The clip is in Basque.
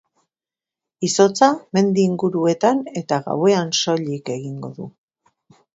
Izotza mendi inguruetan eta gauean soilik egingo du.